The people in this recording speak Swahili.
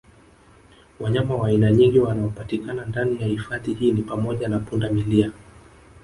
Wanyama wa aina nyingi wanaopatikana ndani ya hifadhi hii ni pamoja na punda milia